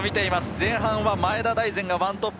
前半は前田大然が１トップ。